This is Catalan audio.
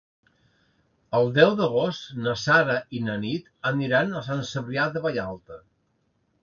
El deu d'agost na Sara i na Nit aniran a Sant Cebrià de Vallalta.